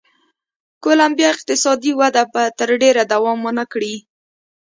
کولمبیا اقتصادي وده به تر ډېره دوام و نه کړي.